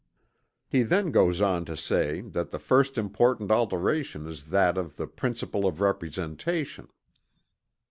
He then goes on to say that "the first important alteration is that of the principle of representation."